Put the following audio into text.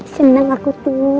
seneng aku tuh